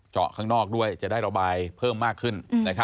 ข้างนอกด้วยจะได้ระบายเพิ่มมากขึ้น